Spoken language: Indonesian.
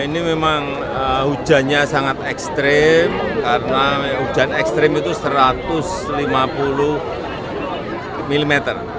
ini memang hujannya sangat ekstrim karena hujan ekstrim itu satu ratus lima puluh mm